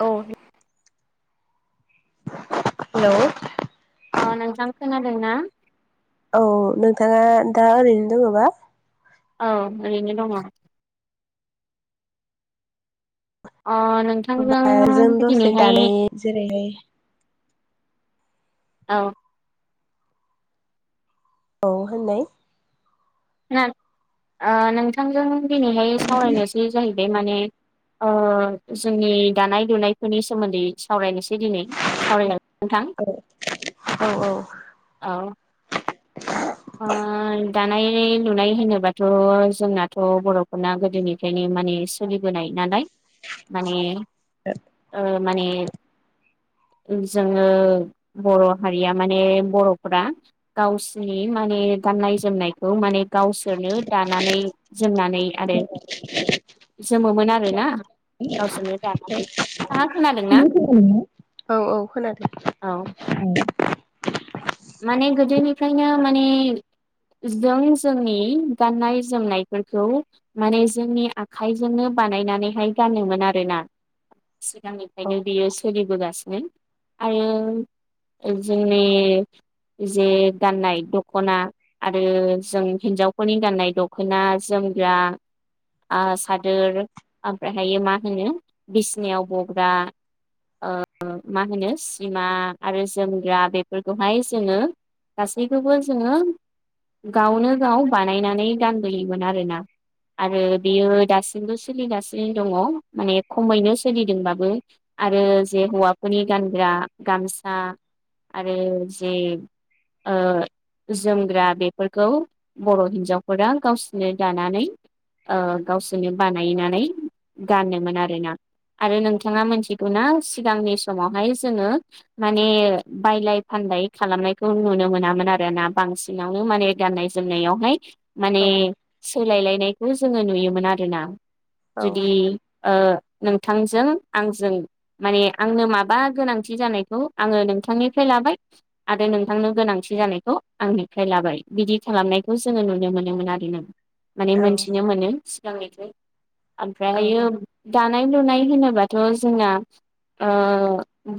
औ हेलौ अ नोंथां खोनादों ना? औ नोंथाङा दा ओरैनो दोङोबा? औ ओरैनो दङ। अ नोंथांजों होमबा जों दसे दिनैहाय दानि जेरैहाय औ औ होननाय नो ओ नोंथांजों दिनैहाय सावरायनायसै जाहै बाय माने ओ जोंनि दानाय लुनायफोरनि सोमोन्दै सावरायनोसै दिनै सावराय जागोन नोंथां औ औ औ ओ [inaudible] दानाय लुनाय होनोबाथ' जोंनाथ' बर'फोरना गोदोनिफ्रायनो माने सोलिबोनाय नालाय माने ओ माने उम जोङो बर' हारिया माने बर'फोरा गावसिनि नि माने गाननाय जोमनायखौ माने गावसोरनो दानानै जोमनानै आरो जोमोमोन आरोना गावसोरनो दानानै थाङा खोनादोंना? [inaudible] औ औ खोनादों। औ माने गोदोनिफ्रायनो माने जों जोंनि गाननाय जोमनायफोरखौ माने जोंनि आखाइजोंनो बानायनानैहाय गानोमोन आरोना। औ सिगांनिफ्रायनो बियो सोलिबोगासिनो। आरो ओ जोंनि जे गाननाय दख'ना आरो जों हिन्जावफोरनि गाननाय दख'ना, जोमग्रा आ सादोर ओमफ्रायहायो मा होनो बिसनायाव बग्रा ओ मा होनो सिमा आरो जोमग्रा बेफोरखौहाय जोङो गासैखौबो जोङो गावनो गाव बानायनानै गानबोयोमोन आरोना। आरो बेयो दासिमबो सोलिगासिनो दङ माने खमैनो सोलिदोंबाबो। आरो जे हौवाफोरनि गानग्रा गामसा आरो जे ओ जोमग्रा बेफोरखौ बर' हिन्जावफोरा गावसोरनो दानानै ओ गावसोरनो बानायनानै गानोमोन आरोना। आरो नोंथाङा मोन्थिगौ ना? सिगांनि समावहाय जोङो माने बायलाय फानलाय खालामनायखौ नुनो मोनामोन आरो ना बांसिनावनो माने गाननाय जोमनायावहाय माने औ सोलायलायनायखौ जोङो नुयोमोन आरोना औ जुदि ओ नोंथांजों आंजों माने आंनो माबा गोनांथि जानायखौ आङो नोंथांनिफ्राय लाबाय। आरो नोंथांनो गोनांथि जानायखौ आंनिफ्राय लाबाय बिदि खालामनायखौ जोङो नुनो मोनोमोन आरो ना। माने औ मोनथिनो मोनो सिगांनिफ्राय औ आमफ्रायहायो दानाय लुनाय होनोबाथ' जोंना ओ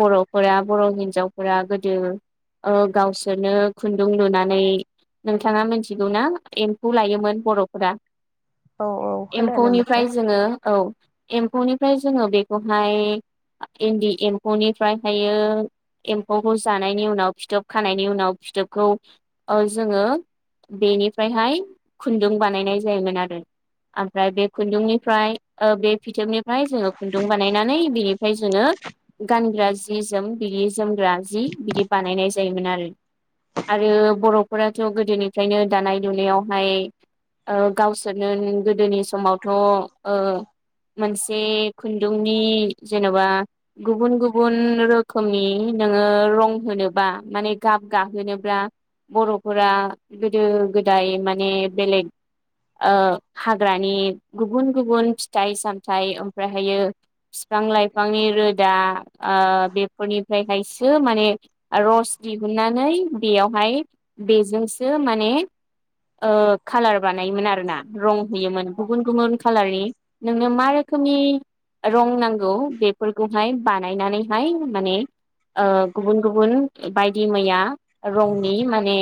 बर'फोरा बर' हिन्जावफोरा गोदो ओ गावसोरनो खुन्दुं लुनानै नोंथाङा मोन्थिगौना एम्फौ लायोमोन बर'फोरा? औ औ खोनानो मोनदों एम्फौनिफ्राय जोङो औ एम्फौनिफ्राय जोङो बेखौहाय इन्दि एम्फौनिफ्रायहायो एम्फौखौ जानायनि उनाव फिथोब खानायनि उनाव फिथोबखौ ओ जोङो बेनिफ्रायहाय खुन्दुं बानायनाय जायोमोन आरो। आमफ्राय बे खुन्दुंनिफ्राय ओ बे फिथोबनिफ्राय जोङो खुन्दुं बानायनानै बेनिफ्राय जोङो गानग्रा जि जोम बिदि जोमग्रा जि बिदि बानायनाय जायोमोन आरो। आरो बर'फोराथ' गोदोनिफ्रायनो दानाय लुनायावहाय ओ गावसोरनो गोदोनि समावथ' ओ मोनसे खुन्दुंनि जेन'बा गुबुन गुबुन रोखोमनि नोङो रं होनो बा माने गाब गाहोनोब्ला बर'फोरा गोदो गोदाइ माने बेलेग ओ हाग्रानि गुबुन गुबुन फिथाइ सामथाइ ओमफ्रायहायो फिफां लाइफांनि रोदा ओ बेफोरनिफ्रायहायसो माने रस दिहुननानै बेयावहाय बेजोंसो माने ओ कालार बानायोमोन आरोना, रं हैयोमोन, गुबुन-गुबुन खालारनि नोंनो मा रोखोमनि रं नांगौ बेफोरखौहाय बानायनानैहाय माने ओ गुबुन गुबुन बायदि मैया रंनि माने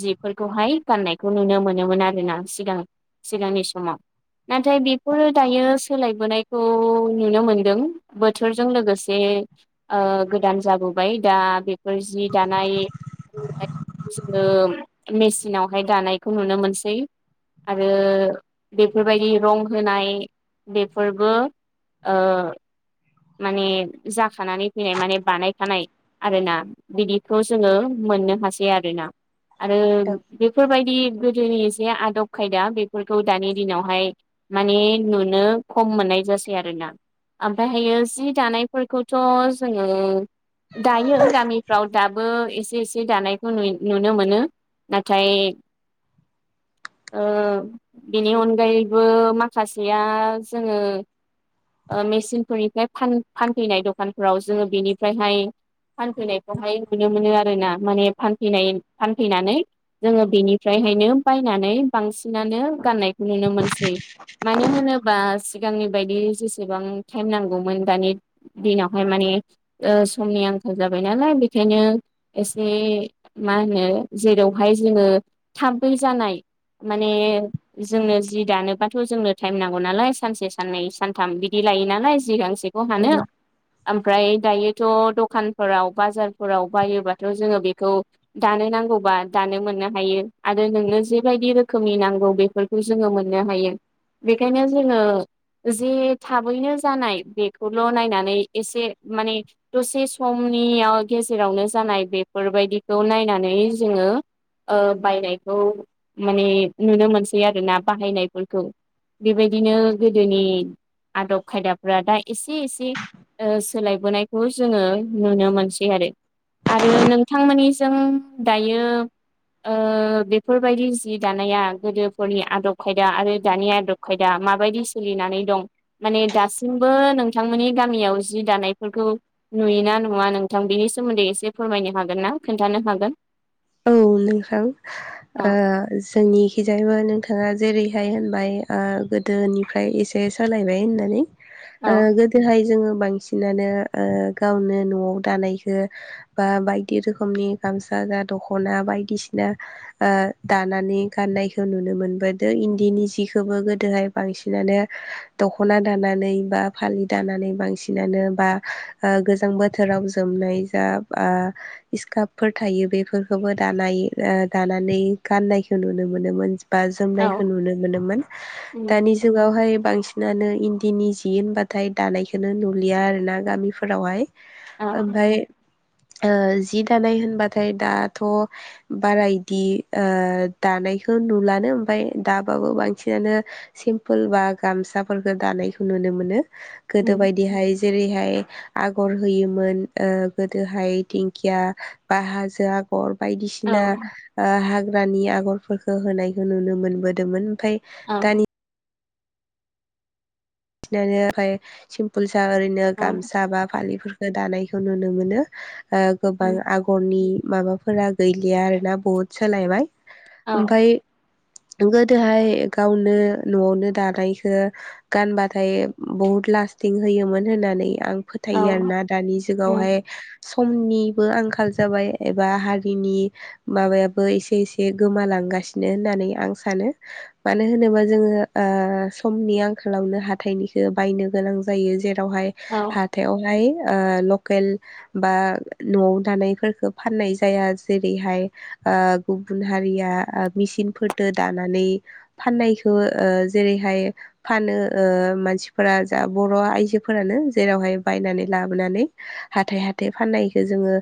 जिफोरखौहाय गाननायखौ नुनो मोनोमोन आरोना सिगां सिगांनि समाव। नाथाय बेफोरो दायो- सोलायबोनायखौ नुनो मोनदों बोथोरजों लोगोसे ओ गोदान जाबोबाय दा बेफोर जि दानाय जोङो मेसिनावहाय दानायखौ नुनो मोनसै। आरो बेफोरबायदि रं होनाय बेफोरबो ओ माने जाखानानै फैनाय माने बानायखानाय। आरोना बिदिखौ जोङो मोननो हासै आरो। आरो बेफोर बायदि गोदोनि जे आदब खायदा बेफोरखौ दानि दिनावहाय माने नुनो खम मोननाय जासै आरोना। ओमफ्रायहायो जि दानायफोरखौथ' जोङो। दायो गामिफ्राव दाबो एसे एसे दानायखौ नुनो मोनो। नाथाय ओ बेनि अनगायैबो माखासेया जोङो। ओ मेसिनफोरनिफ्राय फानफैनाय दखानफोराव जोङो बेनिफ्रायहाय फानफैनायखौहाय नुनो मोनो आरो ना माने फानैनाय फानफैनानै जोङो बेनिफ्रायहायनो बायनानै बांसिनानो गाननाय नुनो मोनसै मानो होनोबा सिगांनि बायदि जेसेबां टाइम नांगौमोन दानि दिनावहाय माने समनि आंखाल जाबाय नालाय बेखायनो एसे मा होनो जेरावहाय जोङो थाबै जानाय माने जोंनो जि दानोबाथ' जोंनो टाइम नांगौ नालाय सानसे साननै सानथाम बिदि लायो नालाय जि गांसे अबाव औ हानो औ ओमफ्राय दायो थ' दखानफोराव बाजारफोराव बायोबाथ' जोङो बेखौ दानो नांगौबा दानो मोननो हायो आरो नोंनो जेबायदि रोखोमनि नांगौ बेफोर खौ जोङो मोननो हायो बेखायनो जोङो जे थाबैनो जानाय बेखौल' नायनानै एसे माने दसे समनियाव गेजेरावनो जानाय बेफोरबायदिखौ नायनानै जोङो ओ बायनायखौ माने नुनो मोनसै आरोना बाहायनायफोरखौ बेबायदिनो गोदोनि आदब खायदाफोरा दा एसे एसे ओ सोलायबोनाय बेखौ जोङो नुनो मोनसै आरो आरो नोंथांमोननिजों दायो ओ बेफोरबायदि जि दानाया गोदोफोरनि आदब खायदा आरो दानि आदब अखायदा माबायदि सोलिनानै दं माने दासिमबो नोंथांमोननि गामियाव जि दानायफोरखौ नुयोना नुवा नोंथां बेनि सोमोन्दै एसे फोरमायनो हागोन ना खोन्थानो हागोन? औ नोंथां औ जोंनिखिजायबो नोंथाङा जेरैहाय होनबाय गोदोनिफ्राय एसे सोलायबाय होननानै औ गोदोहाय जोङो बांसिनानो गावनो न'आव दानायखौ बा बायदि रोखोमनि गामसा जा दख'ना बायदिसिना दानानै गाननायखौ नुनो मोनबोदों इन्दिनि जिखौबो गोदोहाय बांसिनानो दख'ना दानानै बा फालि दानानै बांसिनानो बा गोजां बोथोराव जोमनाय जा स्कपफोर थायो बे बेफोरखौबो दानाय दानानै गाननायखौ नुनो मोनोमोन। बा औ जोमनायखौ नुनो मोनोमोन उम दानि जुगावहाय बांसिनानो इन्दिनि जि होनबाथाय दानायखो नुलिया आरो ना गामिफोरावहाय औ ओमफाय ओ जि दानाय ओमबाथ दाथ' बारा इदि ओ दानायखौ नुलानो ओमफाय दाबाबो बांसिनानो सिम्पोल बा गामसाफोरफोरखौ दानायखौ नुनो मोनो गोदो उम बायदिहाय जेरैहाय आगर होयोमोन ओ गोदोहाय दिंखिया बा हाजो आगर औ बायदिसिना ओ हाग्रानि आगरफोरखौ होनायखौ नुनो मोनबोदोंमोन ओमफाय औ दानि दानिआ ओमफ्राय सिमपोल स ओरैनो गामसा बा फालि दानायखौ नुनो मोनो ओ गोबां उम आगर नखरनि माबाफोरा गैलिया आरोना बहुद सोलायबाय औ ओमफ्राय गोदोहाय गावनो न'आवनो दानायखौ गानबा ओमथाय बहुद लास्टिं होयोमोन होननानै आं औ फोथायो आरो ना दानि उम जुगावहाय समनिबो आंखाल जाबाय एबा हारिनि माबायाबो एसे एसे गोमालांगासिनो होननानै आं सानो मानो होनोबा जोङो ओ समनि आंखालावनो हाथ हाथथायनिखौ बायनो गोनां जायो जेरावहाय औ हाथाइावहाय लकेल बा न'आव दानायफोरखौ फाननाय जाया जेरैहाय गुबुन हारिया ओ मेचनफोरजों दानानै फाननायखौ जेरैहाय फानो ओ मानसिफोरा जा बर' आइजोफोरानो जेरावहाय बायनानै लाबोनानै हाथाय हाथाय फाननायखौ जोङो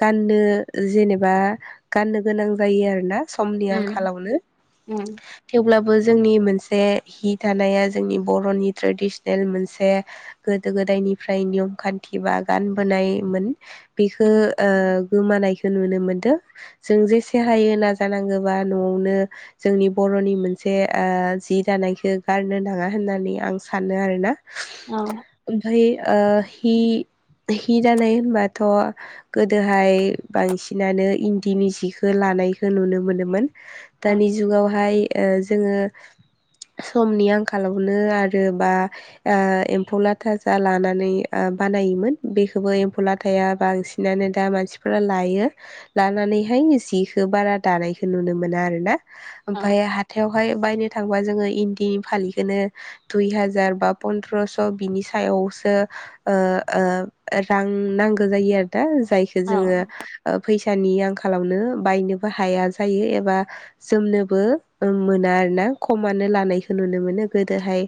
गाननो जेनेबा गाननो गोनां जायो आरोना समनि उम आंखालावनो उम थेवब्लाबो जोंनि मोनसे हि थानाया बर'नि ट्रेडिसनेल मोनसे गोदो गोदायनिफ्राय नियम खान्थि बा गानबोनायमोन बेखो उम ओ गोमानायखौ नुनो मोनदों जों जेसे हायो नाजानांगोबा न'आवनो जोंनि बर'नि मोनसे ओ जि दानायखो गारनो नाङा होननानै आं सानो आरोना औ ओमफाय ओ हि हि दानाय होनबाथ' गोदोहाय बांसिनानो इन्दिनि जिखौ लानायखौ नुनो मोनोमोन औ दानि जुगावहाय ओ जोङो समनि आंखाल आंखालवानो आरो बा ओ एम्फौ लाथा जा लानानै बानायोमोन बेखौबो एम्फौ लाथाया बांसिन बिनानै दा मानसिफोरा लायो। लानानैहाय जिखौ बारा दानायखौ नुनो मोना आरो ना। औ ओमफाय हाथायावहाय बायनो थांबा जोङो इन्दिनि फालि बिदिनो दुइ हाजार बा पन्द्रस' बिनि सायावसो ओ ओ रां नांगौ जायो आरो दा जायखौ औ जोङो ओ फैसानि आंखालावनो बायनोबो हाया जायो एबा जोमनोबो मोना आरो ना, खमानो लानायखौ नुनो मोनो। गोदोहाय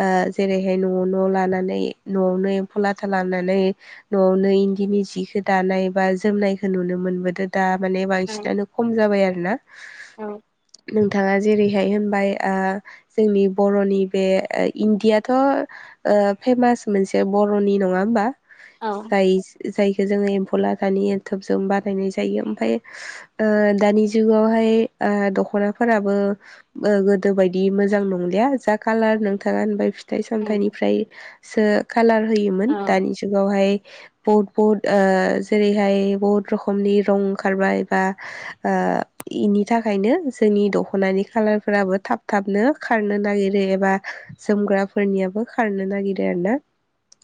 ओ जेरैहाय न' न' लानानै न'आवनो एम्फौ लाथा लानानै न'आवनो इन्दिनि जिखौ दानाय बा जोमनायखौ नुनो मोनबोदो। दा माने औ बांसिनानो खम जाबाय आरो ना। औ नोंथाङा जेरैहाय होनबाय आ जोंनि बर'नि बे ओ इन्दियाथ' ओ फेमास मोनसे बर'नि नङा होमबा? औ जाय जायखौ जोङो एम्फौ लादानि एनथोबजों बानायनाय जायो। ओमफ्राय ओ दानि जुगावहाय आ दख'नाफोराबो ओ गोदो बायदि मोजां नं लिया जा खालार नोंथाङा होनबाय फिथाइ उम सामथाइनिफ्रायसो खालार औ होयोमोन। दानि जुगावहाय बहुद बहुद ओ जेरैहाय बहुद रोखोमनि रं ओंखारबाय बा ओ इनि थाखायनो जोंनि दख'नानि खाालारफोराबो थाब थाबनो खारनो नागिरो एबा जोमग्राफोरनियाबो खारनो नागिरो आरो ना।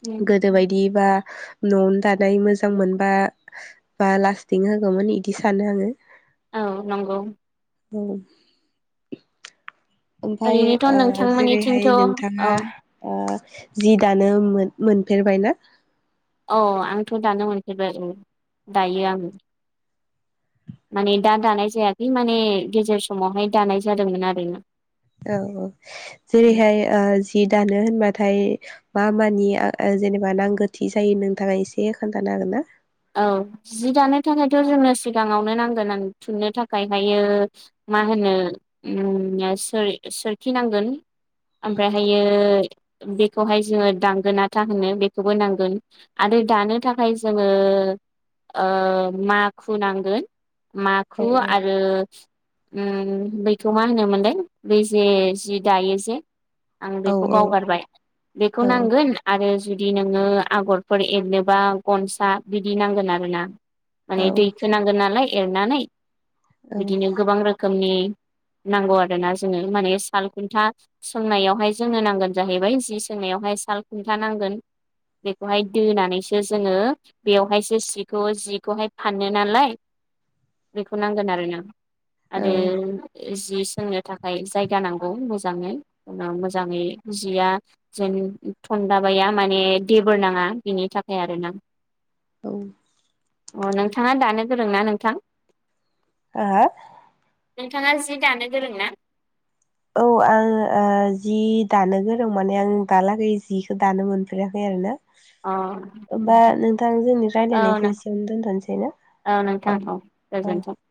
उम गोदो बायदि बा न'आवनो दानाय मोजां मोनबा बा लास्टिं होगौमोन इदि सानो आङो। औ नंगौ। औ। ओमफाय ओरैनोथ' ओ जेरैहाय नोंथांमोननिथिंथ' नोंथाङा औ ओ जि दानो मोन-मोनफेरबायना? औ आंथ' दानो मोनफेरबाय औ दायो आं। माने दा दानाय जायाखै माने गेजेर समावहाय दानाय जादोंमोन आरो ना। औ औ जेरैहाय ओ जि दानो होनबाथाय मा मानि ओ जेनेबा नांगोथि जायो नोंथाङा एसे खोन्थानो हागोन ना? औ जि दानो थाखायथ' जोंनो सिगाङावनो नांगोन आं थुननो थाखाय हायो मा होनो ओम सोर-सोरखिनांगोन। ओमफ्रायहायो बेखौहाय जोङो दांगोनाथा होनो बेखौबो नांगोन। आरो दानो थाखाय जोङो ओ माखु नांगोन माखु औ आरो ओम बैखौ मा होनोमोनलाय बै जे जि दायो जे? आं औ बेखौ औ बावगारबाय बेखौ औ नांगोन। आरो जुदि नोङो आगरफोर एरनोबा गनसा बिदि नांगोन आरो ना। औ माने दैखोनांगोन नालाय एरनानै औ बिदिनो गोबां रोखोमनि नांगौ आरो ना जोंनो माने साल खुन्था सोंनायावहाय जोंनो नांगोन जाहैबाय जि सोंनायावहाय साल खुन्था नांगोन। बेखौहाय दोनानैसो जोङो बेवहायसो सिखौ जिखौहाय फानो नालाय, बेखौ नांगोन आरो ना। आरो औ जि सोंनो थाखाय जायगा नांगौ मोजाङै उनाव मोजाङै जिया जेन थनदाबाया माने देबोर नाङा बेनि थाखाय आरो ना औ अ नोंथाङा दानो गोरोंना नोंथां? आ हो नोंथाङा जि दानो गोरों ना? औ आं ओ जि दानो गोरों माने आं दालागै जिखौ दानो मोनफेराखै आरो ना। अ होबा नोंथां जोंनि औ नों रायज्लायनायखौ एसेयावनो दोनथ'नोसै ना? औ नोंथां औ औ गोजोनथों।